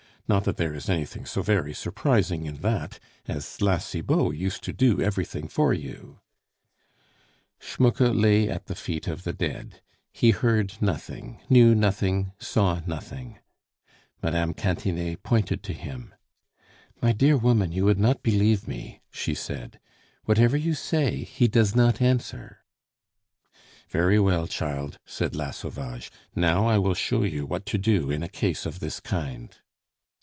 Not that there is anything so very surprising in that, as La Cibot used to do everything for you " Schmucke lay at the feet of the dead; he heard nothing, knew nothing, saw nothing. Mme. Cantinet pointed to him. "My dear woman, you would not believe me," she said. "Whatever you say, he does not answer." "Very well, child," said La Sauvage; "now I will show you what to do in a case of this kind."